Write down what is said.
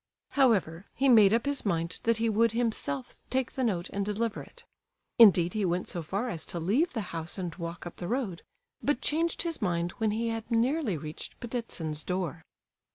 However, he made up his mind that he would himself take the note and deliver it. Indeed, he went so far as to leave the house and walk up the road, but changed his mind when he had nearly reached Ptitsin's door.